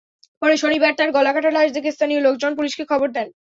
পরে শনিবার তাঁর গলাকাটা লাশ দেখে স্থানীয় লোকজন পুলিশে খবর দেন।